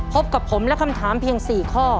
พบกับผมและคำถามเพียง๔ข้อ